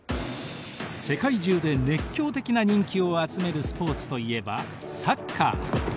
世界中で熱狂的な人気を集めるスポーツといえばサッカー。